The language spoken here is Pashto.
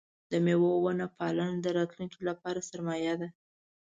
د مېوو ونه پالنه د راتلونکي لپاره سرمایه ده.